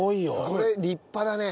これ立派だね。